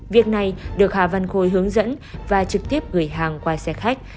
việc này được hà văn khôi hướng dẫn và trực tiếp gửi hàng qua xe khách